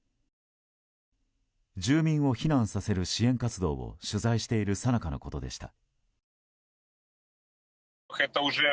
住民を避難させる支援活動を取材しているさなかのことでした。